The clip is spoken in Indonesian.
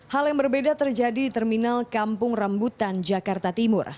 hal yang berbeda terjadi di terminal kampung rambutan jakarta timur